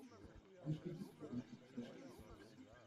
Nufa-d ifker deg tebḥirt.